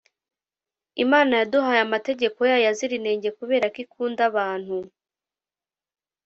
imana yaduhaye amategeko yayo azira inenge kubera ko ikunda abantu